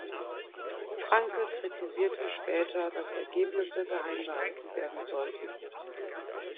Franke kritisierte später, dass Ergebnisse geheim gehalten werden sollten.